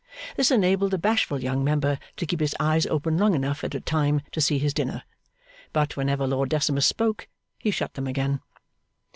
This enabled the bashful young Member to keep his eyes open long enough at a time to see his dinner. But, whenever Lord Decimus spoke, he shut them again.